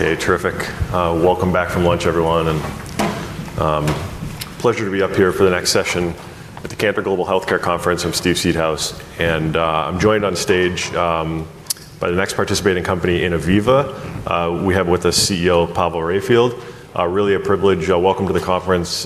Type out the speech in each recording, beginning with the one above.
Okay, terrific. Welcome back from lunch, everyone, and pleasure to be up here for the next session at the Global Healthcare Conference. I'm Steve Seedhouse, and I'm joined on stage by the next participating company, Innoviva. We have with us CEO Pavel Raifeld. Really a privilege. Welcome to the conference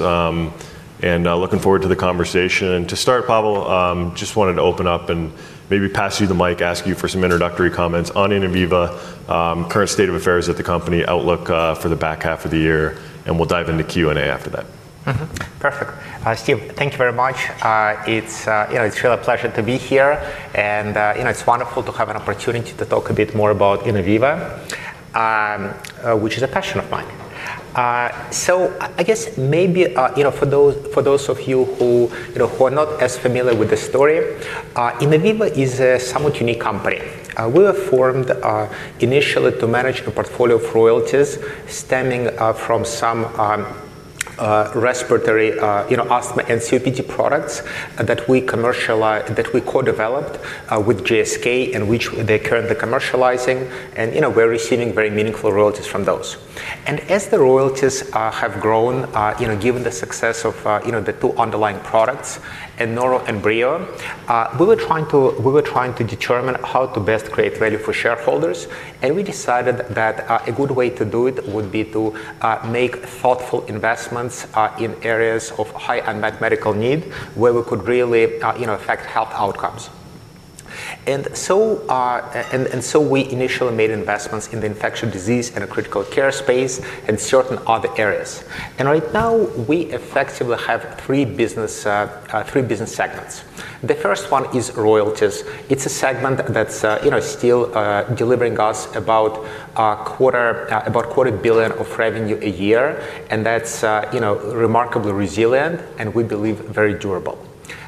and looking forward to the conversation. To start, Pavel, I just wanted to open up and maybe pass you the mic, ask you for some introductory comments on Innoviva, current state of affairs at the company, outlook for the back half of the year, and we'll dive into Q&A after that. Perfect. Steve, thank you very much. It's really a pleasure to be here, and it's wonderful to have an opportunity to talk a bit more about Innoviva, which is a passion of mine. I guess maybe for those of you who are not as familiar with the story, Innoviva is a somewhat unique company. We were formed initially to manage a portfolio of royalties stemming from some respiratory asthma and COPD products that we co-developed with GSK and which they're currently commercializing, and we're receiving very meaningful royalties from those. As the royalties have grown, given the success of the two underlying products, ANORO and BREO, we were trying to determine how to best create value for shareholders, and we decided that a good way to do it would be to make thoughtful investments in areas of high unmet medical need where we could really affect health outcomes. We initially made investments in the infectious disease and critical care space and certain other areas. Right now, we effectively have three business segments. The first one is royalties. It's a segment that's still delivering us about $250 million of revenue a year, and that's remarkably resilient and we believe very durable.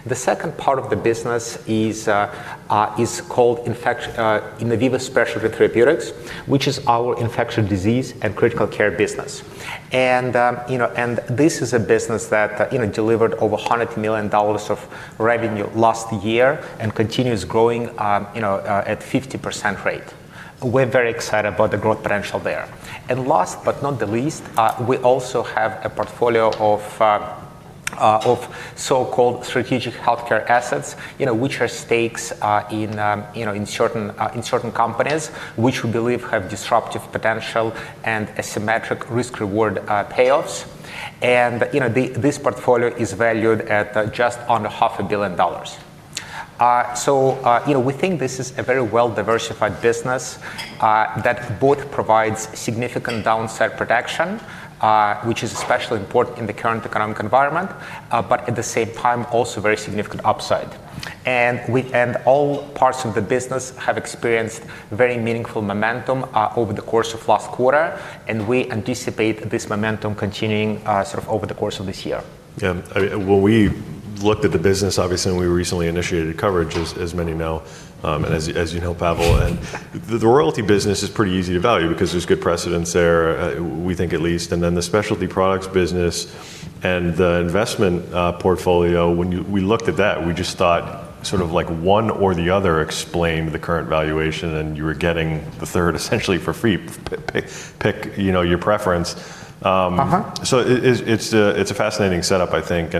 The second part of the business is called Innoviva Specialty Therapeutics, which is our infectious disease and critical care business. This is a business that delivered over $100 million of revenue last year and continues growing at a 50% rate. We're very excited about the growth potential there. Last but not the least, we also have a portfolio of so-called strategic healthcare assets, which are stakes in certain companies which we believe have disruptive potential and asymmetric risk-reward payoffs. This portfolio is valued at just under $500 million. We think this is a very well-diversified business that both provides significant downside protection, which is especially important in the current economic environment, but at the same time, also very significant upside. All parts of the business have experienced very meaningful momentum over the course of last quarter, and we anticipate this momentum continuing over the course of this year. Yeah, when we looked at the business, obviously, and we recently initiated coverage, as many know, and as you know, Pavel, the royalty business is pretty easy to value because there's good precedents there, we think at least. The specialty products business and the investment portfolio, when we looked at that, we just thought sort of like one or the other explained the current valuation, and you were getting the third essentially for free. Pick your preference. It's a fascinating setup, I think.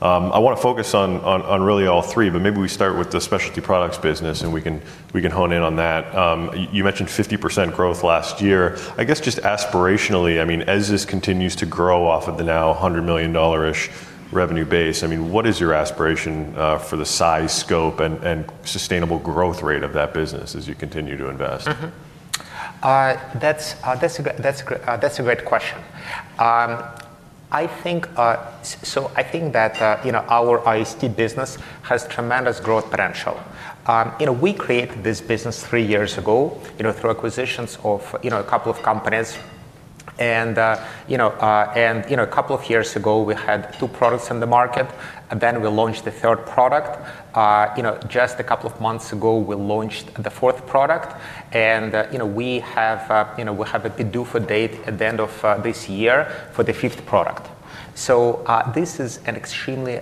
I want to focus on really all three, but maybe we start with the specialty products business, and we can hone in on that. You mentioned 50% growth last year. I guess just aspirationally, I mean, as this continues to grow off of the now $100 million-ish revenue base, what is your aspiration for the size, scope, and sustainable growth rate of that business as you continue to invest? That's a great question. I think that our IST business has tremendous growth potential. We created this business three years ago through acquisitions of a couple of companies. A couple of years ago, we had two products in the market, and then we launched the third product. Just a couple of months ago, we launched the fourth product, and we have a PDUFA date at the end of this year for the fifth product. This is an extremely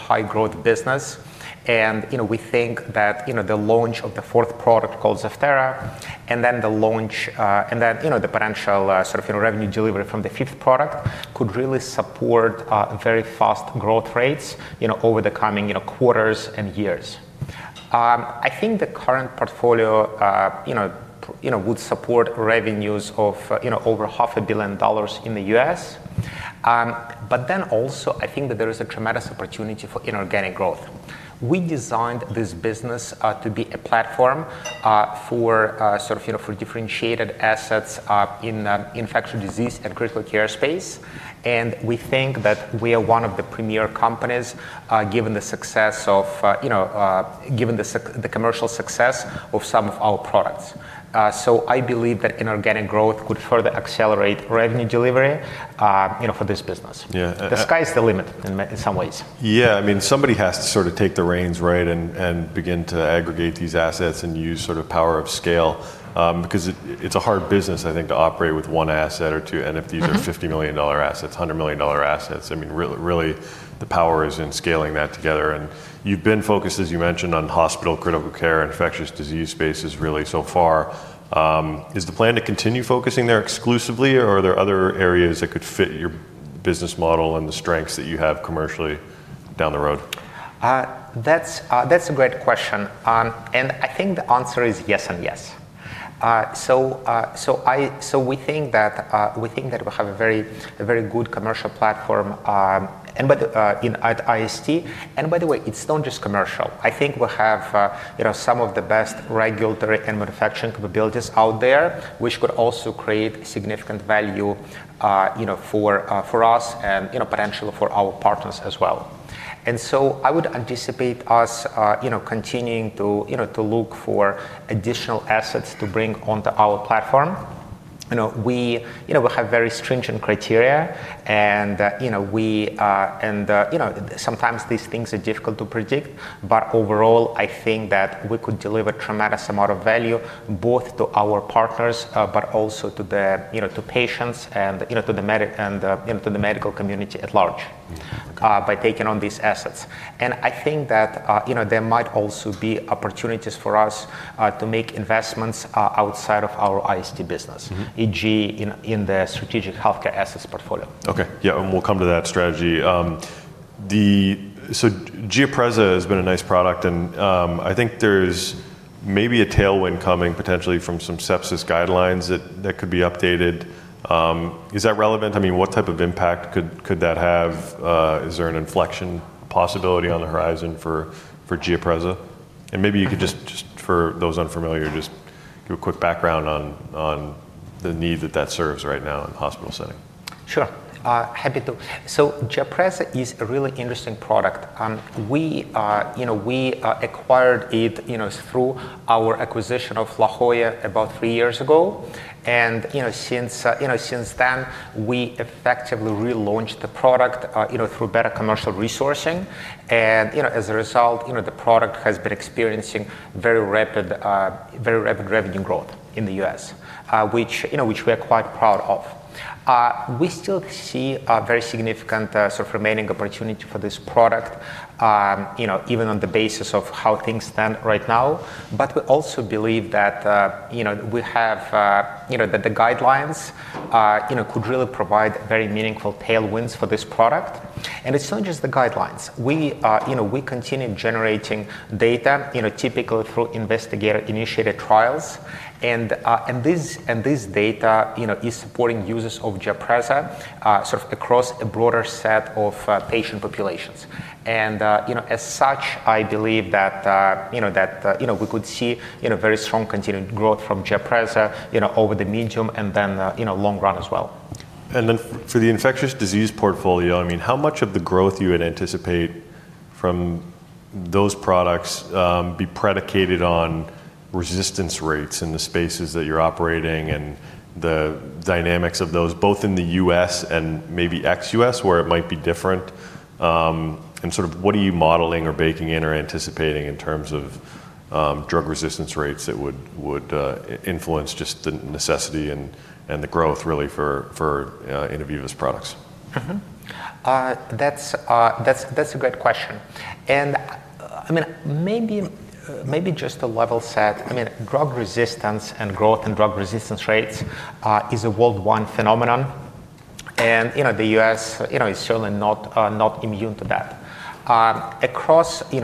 high-growth business, and we think that the launch of the fourth product called ZEVTERA and then the potential sort of revenue delivery from the fifth product could really support very fast growth rates over the coming quarters and years. I think the current portfolio would support revenues of over $500 million in the U.S., but I also think that there is a tremendous opportunity for inorganic growth. We designed this business to be a platform for differentiated assets in the infectious disease and critical care space, and we think that we are one of the premier companies given the commercial success of some of our products. I believe that inorganic growth could further accelerate revenue delivery for this business. The sky's the limit in some ways. Yeah, I mean, somebody has to sort of take the reins and begin to aggregate these assets and use sort of power of scale because it's a hard business, I think, to operate with one asset or two. If these are $50 million assets, $100 million assets, really the power is in scaling that together. You've been focused, as you mentioned, on hospital, critical care, infectious disease spaces really so far. Is the plan to continue focusing there exclusively, or are there other areas that could fit your business model and the strengths that you have commercially down the road? That's a great question, and I think the answer is yes and yes. We think that we have a very good commercial platform at IST, and by the way, it's not just commercial. I think we have some of the best regulatory and manufacturing capabilities out there, which could also create significant value for us and potentially for our partners as well. I would anticipate us continuing to look for additional assets to bring onto our platform. We have very stringent criteria, and sometimes these things are difficult to predict, but overall, I think that we could deliver a tremendous amount of value both to our partners, but also to patients and to the medical community at large by taking on these assets. I think that there might also be opportunities for us to make investments outside of our IST business, e.g., in the strategic healthcare assets portfolio. Okay, yeah, and we'll come to that strategy. GIAPREZA has been a nice product, and I think there's maybe a tailwind coming potentially from some sepsis guidelines that could be updated. Is that relevant? I mean, what type of impact could that have? Is there an inflection possibility on the horizon for GIAPREZA? Maybe you could just, for those unfamiliar, just give a quick background on the need that that serves right now in the hospital setting. Sure, happy to. GIAPREZA is a really interesting product. We acquired it through our acquisition of La Jolla about three years ago, and since then, we effectively relaunched the product through better commercial resourcing. As a result, the product has been experiencing very rapid revenue growth in the U.S., which we are quite proud of. We still see a very significant remaining opportunity for this product, even on the basis of how things stand right now. We also believe that the guidelines could really provide very meaningful tailwinds for this product. It's not just the guidelines. We continue generating data, typically through investigator-initiated trials, and this data is supporting users of GIAPREZA across a broader set of patient populations. As such, I believe that we could see very strong continued growth from GIAPREZA over the medium and then long run as well. For the infectious disease portfolio, how much of the growth you would anticipate from those products be predicated on resistance rates in the spaces that you're operating and the dynamics of those, both in the U.S. and maybe ex-U.S., where it might be different? What are you modeling or baking in or anticipating in terms of drug resistance rates that would influence just the necessity and the growth really for Innoviva's products? That's a great question. Maybe just to level set, drug resistance and growth in drug resistance rates is a worldwide phenomenon, and the U.S. is certainly not immune to that. Across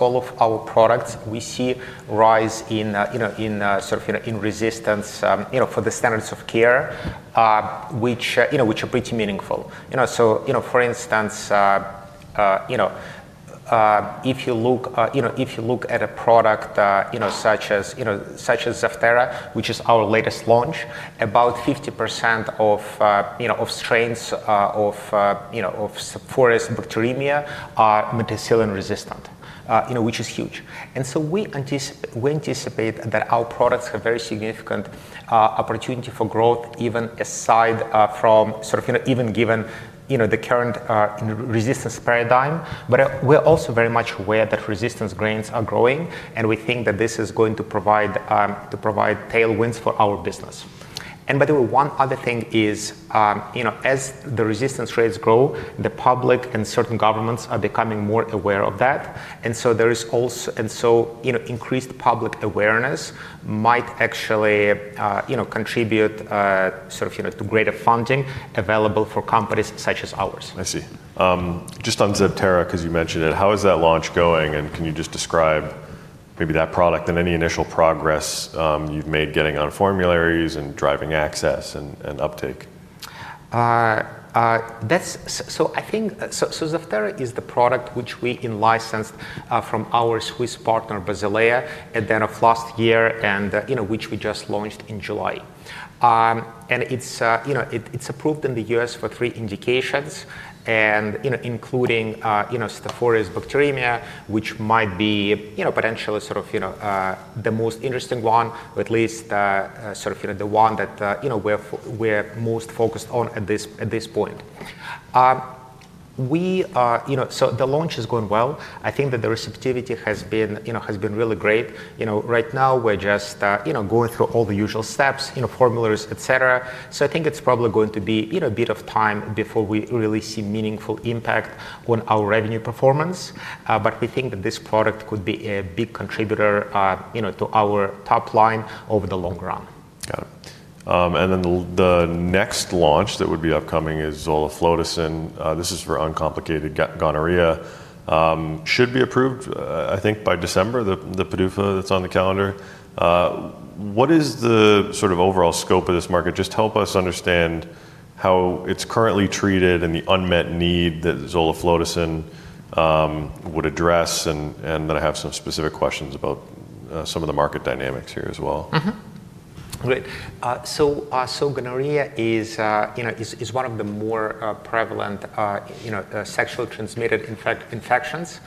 all of our products, we see a rise in resistance for the standards of care, which are pretty meaningful. For instance, if you look at a product such as ZEVTERA, which is our latest launch, about 50% of strains of Staphylococcus bacteremia are methicillin resistant, which is huge. We anticipate that our products have a very significant opportunity for growth, even given the current resistance paradigm. We're also very much aware that resistance rates are growing, and we think that this is going to provide tailwinds for our business. By the way, one other thing is, as the resistance rates grow, the public and certain governments are becoming more aware of that. Increased public awareness might actually contribute to greater funding available for companies such as ours. I see. Just on ZEVTERA, because you mentioned it, how is that launch going? Can you just describe maybe that product and any initial progress you've made getting on formularies and driving access and uptake? I think ZEVTERA is the product which we licensed from our Swiss partner, Basilea, at the end of last year, and which we just launched in July. It's approved in the U.S. for three indications, including Staph aureus bacteremia, which might be potentially sort of the most interesting one, or at least sort of the one that we're most focused on at this point. The launch is going well. I think that the receptivity has been really great. Right now, we're just going through all the usual steps, formularies, et cetera. I think it's probably going to be a bit of time before we really see meaningful impact on our revenue performance. We think that this product could be a big contributor to our top line over the long run. Got it. The next launch that would be upcoming is zoliflodacin. This is for uncomplicated gonorrhea. Should be approved, I think, by December, the PDUFA that's on the calendar. What is the sort of overall scope of this market? Just help us understand how it's currently treated and the unmet need that zoliflodacin would address. I have some specific questions about some of the market dynamics here as well. Great. Gonorrhea is one of the more prevalent sexually transmitted infections.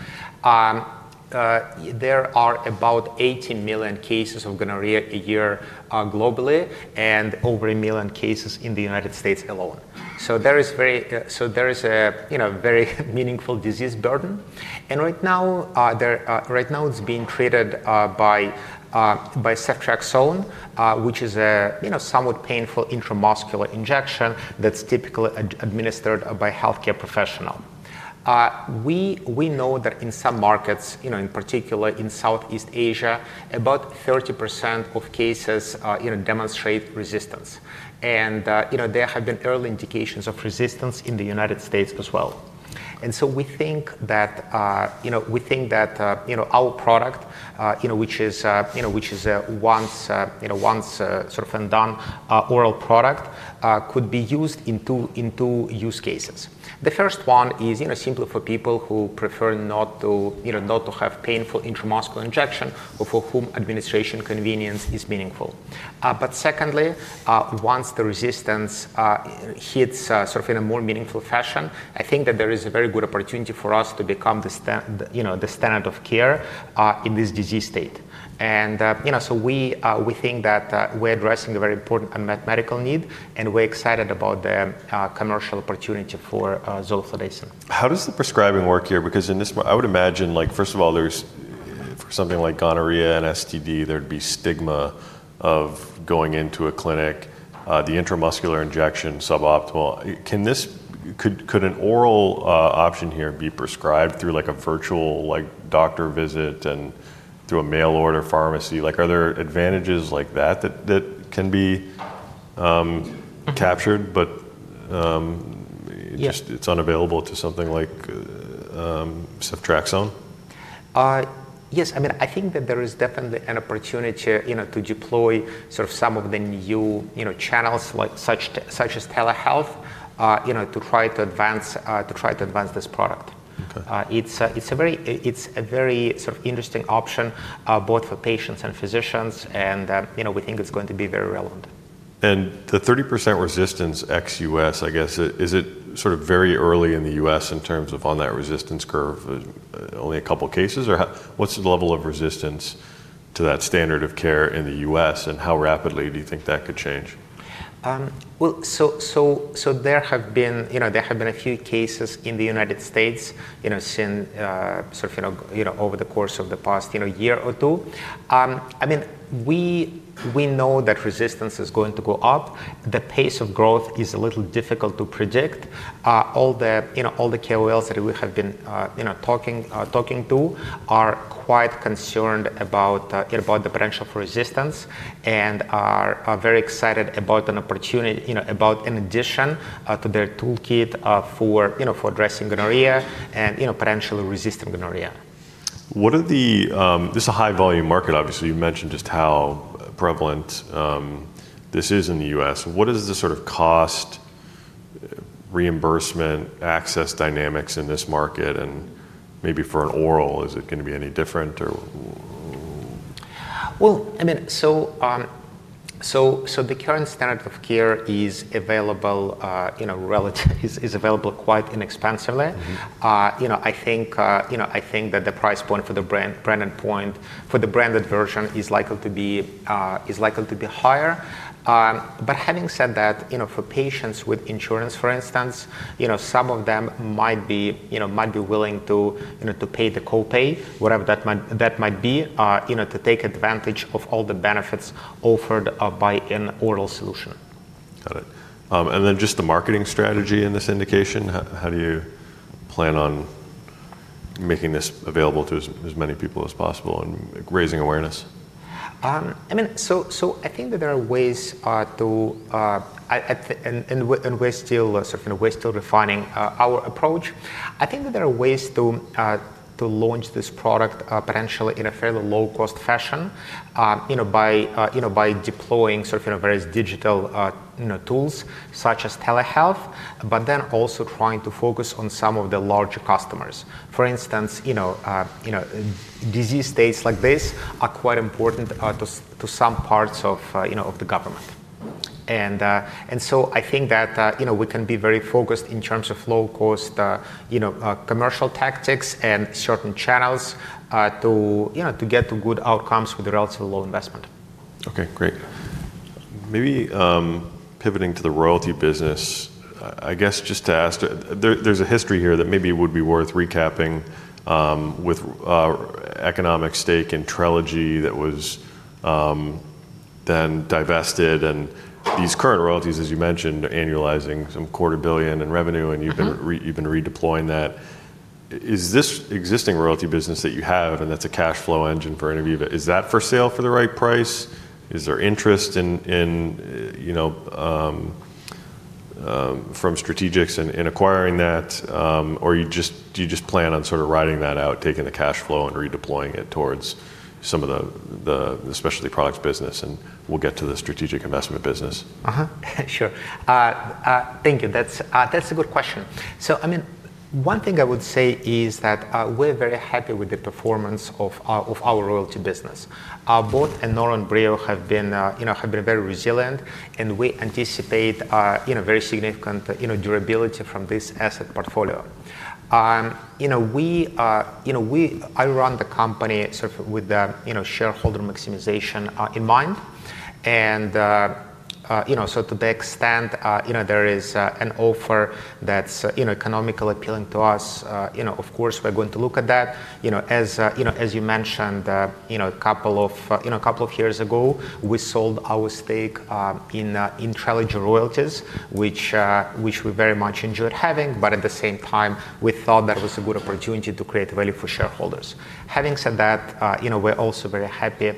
There are about 18 million cases of gonorrhea a year globally and over 1 million cases in the U.S. alone. There is a very meaningful disease burden. Right now, it's being treated by ceftriaxone, which is a somewhat painful intramuscular injection that's typically administered by a healthcare professional. We know that in some markets, in particular in Southeast Asia, about 30% of cases demonstrate resistance. There have been early indications of resistance in the U.S. as well. We think that our product, which is a once-dosed oral product, could be used in two use cases. The first one is simply for people who prefer not to have a painful intramuscular injection or for whom administration convenience is meaningful. Secondly, once the resistance hits in a more meaningful fashion, I think that there is a very good opportunity for us to become the standard of care in this disease state. We think that we're addressing a very important unmet medical need, and we're excited about the commercial opportunity for zoliflodacin. How does the prescribing work here? Because in this, I would imagine, first of all, for something like gonorrhea and STD, there'd be stigma of going into a clinic, the intramuscular injection, suboptimal. Could an oral option here be prescribed through like a virtual doctor visit and through a mail order pharmacy? Are there advantages like that that can be captured, but it's unavailable to something like ceftriaxone? Yes, I mean, I think that there is definitely an opportunity to deploy some of the new channels, such as telehealth, to try to advance this product. It's a very interesting option both for patients and physicians, and we think it's going to be very relevant. The 30% resistance ex-U.S., I guess, is it sort of very early in the U.S. in terms of on that resistance curve? Only a couple of cases? What's the level of resistance to that standard of care in the U.S., and how rapidly do you think that could change? There have been a few cases in the United States over the course of the past year or two. I mean, we know that resistance is going to go up. The pace of growth is a little difficult to predict. All the KOLs that we have been talking to are quite concerned about the potential for resistance and are very excited about an opportunity, about an addition to their toolkit for addressing gonorrhea and potentially resisting gonorrhea. This is a high-volume market, obviously. You mentioned just how prevalent this is in the U.S. What is the sort of cost, reimbursement, access dynamics in this market? Maybe for an oral, is it going to be any different? The current standard of care is available quite inexpensively. I think that the price point for the branded version is likely to be higher. Having said that, for patients with insurance, for instance, some of them might be willing to pay the co-pay, whatever that might be, to take advantage of all the benefits offered by an oral solution. Got it. Just the marketing strategy in this indication, how do you plan on making this available to as many people as possible and raising awareness? I think that there are ways to, and we're still refining our approach. I think that there are ways to launch this product potentially in a fairly low-cost fashion by deploying various digital tools such as telehealth, but also trying to focus on some of the larger customers. For instance, disease states like this are quite important to some parts of the government. I think that we can be very focused in terms of low-cost commercial tactics and certain channels to get to good outcomes with a relatively low investment. Okay, great. Maybe pivoting to the royalty business, I guess just to ask, there's a history here that maybe would be worth recapping with economic stake in Trilogy that was then divested and these current royalties, as you mentioned, annualizing some $250 million in revenue, and you've been redeploying that. Is this existing royalty business that you have, and that's a cash flow engine for Innoviva, is that for sale for the right price? Is there interest from Strategix in acquiring that, or do you just plan on sort of riding that out, taking the cash flow and redeploying it towards some of the specialty products business, and we'll get to the strategic investment business? Sure. Thank you. That's a good question. One thing I would say is that we're very happy with the performance of our royalty business. Both ANORO and BREO have been very resilient, and we anticipate very significant durability from this asset portfolio. I run the company with shareholder maximization in mind. To the extent there is an offer that's economically appealing to us, of course, we're going to look at that. As you mentioned, a couple of years ago, we sold our stake in Trilogy Royalties, which we very much enjoyed having, but at the same time, we thought that was a good opportunity to create value for shareholders. Having said that, we're also very happy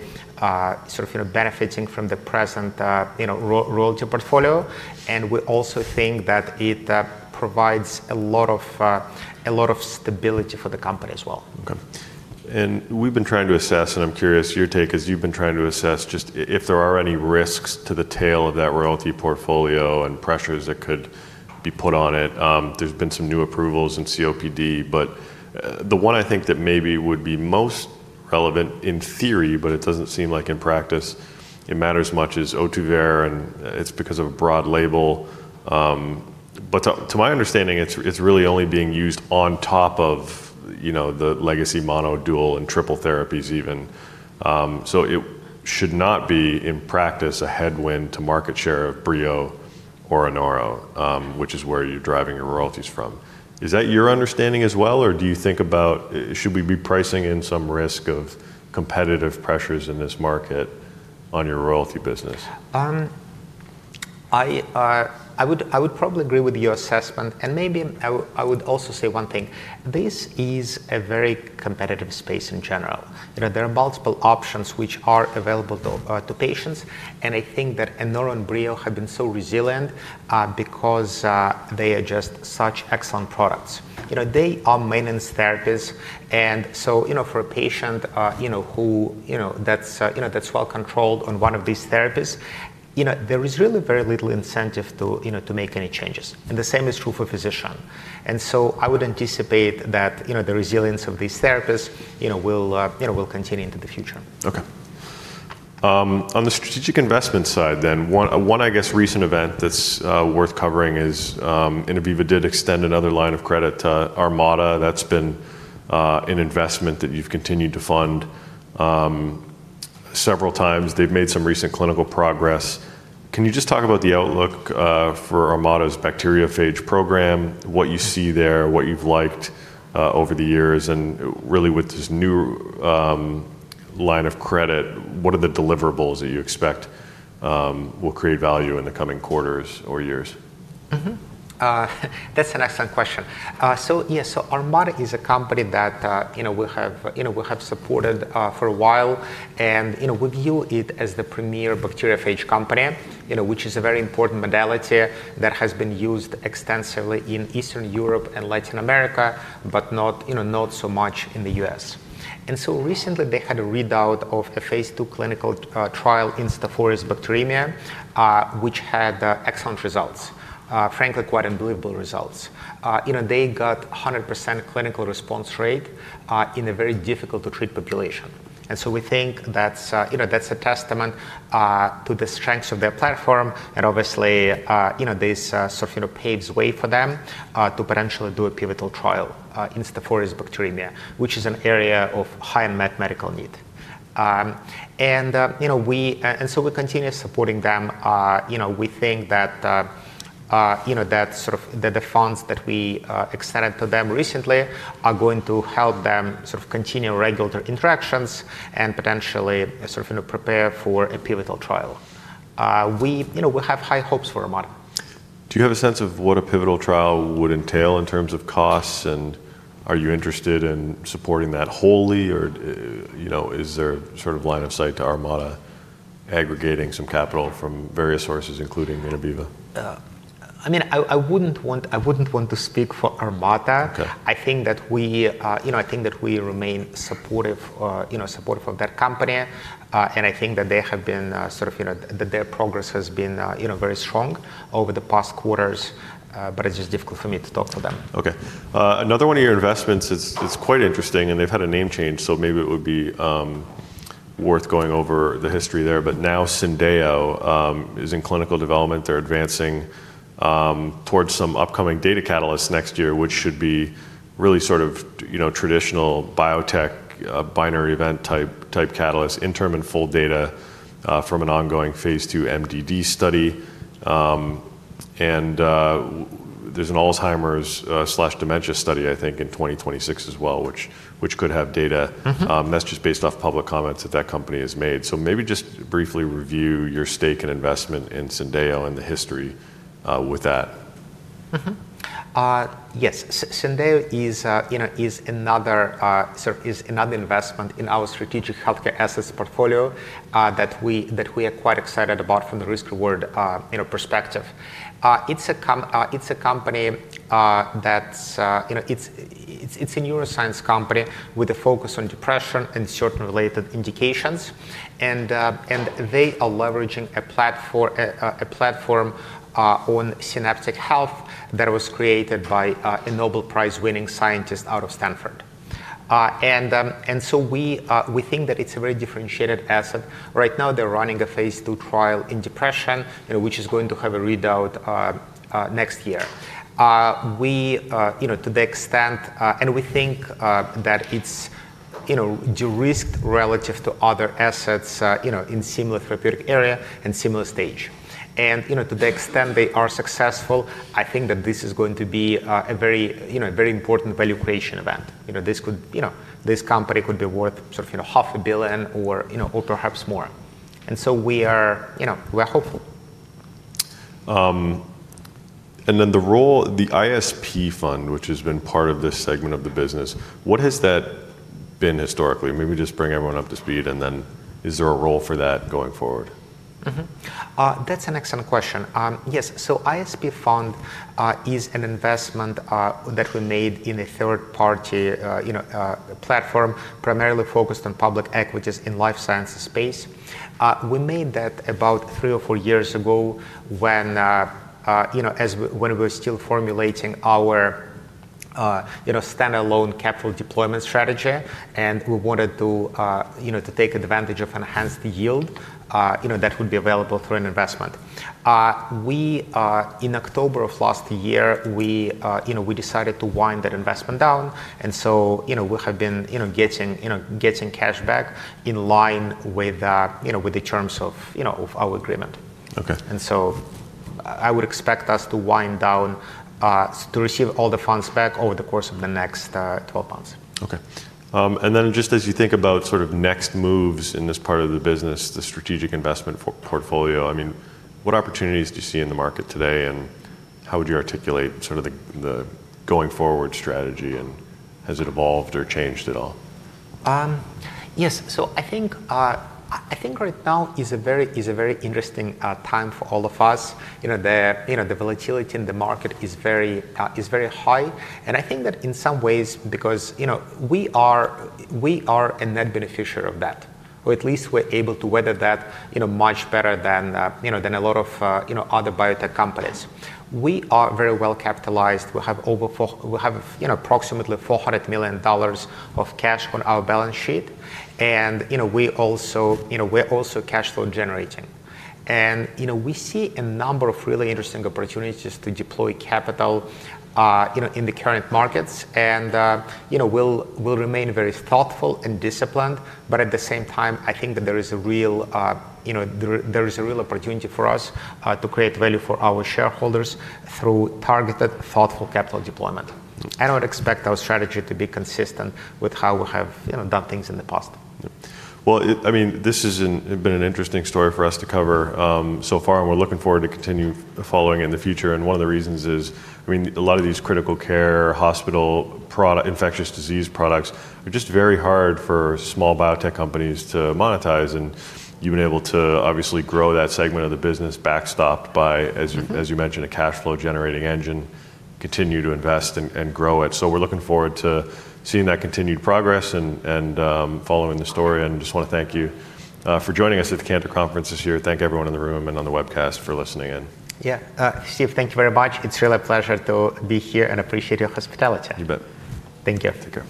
benefiting from the present royalty portfolio, and we also think that it provides a lot of stability for the company as well. Okay. We've been trying to assess, and I'm curious your take as you've been trying to assess just if there are any risks to the tail of that royalty portfolio and pressures that could be put on it. There's been some new approvals in COPD, but the one I think that maybe would be most relevant in theory, but it doesn't seem like in practice it matters much, is Ohtuvayre, and it's because of a broad label. To my understanding, it's really only being used on top of the legacy mono, dual, and triple therapies even. It should not be in practice a headwind to market share of /BREO® ELLIPTA or ANORO, which is where you're driving your royalties from. Is that your understanding as well, or do you think about should we be pricing in some risk of competitive pressures in this market on your royalty business? I would probably agree with your assessment, and maybe I would also say one thing. This is a very competitive space in general. There are multiple options which are available to patients, and I think that ANORO and BREO have been so resilient because they are just such excellent products. They are maintenance therapies, and for a patient that's well controlled on one of these therapies, there is really very little incentive to make any changes. The same is true for physicians. I would anticipate that the resilience of these therapies will continue into the future. Okay. On the strategic investment side, one recent event that's worth covering is Innoviva did extend another line of credit to Armata. That's been an investment that you've continued to fund several times. They've made some recent clinical progress. Can you just talk about the outlook for Armata's bacteriophage program, what you see there, what you've liked over the years, and really with this new line of credit, what are the deliverables that you expect will create value in the coming quarters or years? That's an excellent question. Yes, Armata is a company that we have supported for a while and we view it as the premier bacteriophage company, which is a very important modality that has been used extensively in Eastern Europe and Latin America, but not so much in the U.S. Recently, they had a readout of a phase II clinical trial in Staph aureus bacteremia, which had excellent results, frankly quite unbelievable results. They got a 100% clinical response rate in a very difficult-to-treat population. We think that's a testament to the strengths of their platform, and obviously, this sort of paves the way for them to potentially do a pivotal trial in Staph aureus bacteremia, which is an area of high unmet medical need. We continue supporting them. We think that the funds that we extended to them recently are going to help them continue regular interactions and potentially prepare for a pivotal trial. We have high hopes for Armata. Do you have a sense of what a pivotal trial would entail in terms of costs, and are you interested in supporting that wholly, or is there a sort of line of sight to Armata aggregating some capital from various sources, including Innoviva? I mean, I wouldn't want to speak for Armata. I think that we remain supportive of that company, and I think that their progress has been very strong over the past quarters, but it's just difficult for me to talk for them. Okay. Another one of your investments is quite interesting, and they've had a name change, so maybe it would be worth going over the history there. Now Syndeio is in clinical development. They're advancing towards some upcoming data catalysts next year, which should be really sort of traditional biotech binary event type catalysts, interim and full data from an ongoing phase II MDD study. There's an Alzheimer's/dementia study, I think, in 2026 as well, which could have data messages based off public comments that that company has made. Maybe just briefly review your stake and investment in Syndeio and the history with that. Yes, Syndeio is another investment in our strategic healthcare assets portfolio that we are quite excited about from the risk-reward perspective. It's a company that's a neuroscience company with a focus on depression and certain related indications, and they are leveraging a platform on synaptic health that was created by a Nobel Prize-winning scientist out of Stanford. We think that it's a very differentiated asset. Right now, they're running a phase two trial in depression, which is going to have a readout next year. We think that it's de-risked relative to other assets in a similar therapeutic area and similar stage. To the extent they are successful, I think that this is going to be a very important value creation event. This company could be worth $500 million or perhaps more. We are hopeful. The role of the ISP Fund, which has been part of this segment of the business, what has that been historically? Maybe just bring everyone up to speed, and then is there a role for that going forward? That's an excellent question. Yes, so ISP Fund is an investment that we made in a third-party platform primarily focused on public equities in the life sciences space. We made that about three or four years ago when we were still formulating our standalone capital deployment strategy, and we wanted to take advantage of enhanced yield that would be available through an investment. In October of last year, we decided to wind that investment down, so we have been getting cash back in line with the terms of our agreement. I would expect us to wind down to receive all the funds back over the course of the next 12 months. Okay. As you think about sort of next moves in this part of the business, the strategic investment portfolio, what opportunities do you see in the market today, and how would you articulate sort of the going forward strategy, and has it evolved or changed at all? Yes, so I think right now is a very interesting time for all of us. The volatility in the market is very high, and I think that in some ways, because we are a net beneficiary of that, or at least we're able to weather that much better than a lot of other biotech companies. We are very well capitalized. We have approximately $400 million of cash on our balance sheet, and we're also cash flow generating. We see a number of really interesting opportunities to deploy capital in the current markets, and we'll remain very thoughtful and disciplined. At the same time, I think that there is a real opportunity for us to create value for our shareholders through targeted thoughtful capital deployment. I would expect our strategy to be consistent with how we have done things in the past. This has been an interesting story for us to cover so far, and we're looking forward to continuing following it in the future. One of the reasons is, a lot of these critical care hospital products, infectious disease products, are just very hard for small biotech companies to monetize. You've been able to obviously grow that segment of the business, backstopped by, as you mentioned, a cash flow generating engine, continue to invest and grow it. We're looking forward to seeing that continued progress and following the story. I just want to thank you for joining us at the Cantor Conference this year. Thank everyone in the room and on the webcast for listening in. Yeah, Steve, thank you very much. It's really a pleasure to be here, and I appreciate your hospitality. You bet. Thank you. Take care.